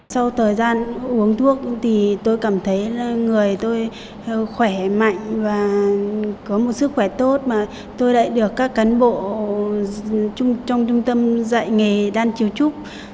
sau thời gian uống thuốc thì tôi cảm thấy là người tôi khỏe mạnh và có một sức khỏe tốt mà tôi lại được các cán bộ trong trung tâm dạy nghề đan chiếu trúc